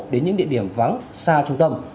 đến những địa điểm vắng xa trung tâm